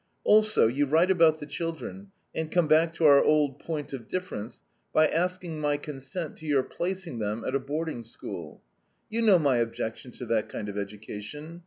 "Also, you write about the children, and come back to our old point of difference by asking my consent to your placing them at a boarding school. You know my objection to that kind of education.